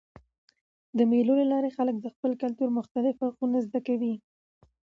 د مېلو له لاري خلک د خپل کلتور مختلف اړخونه زده کوي.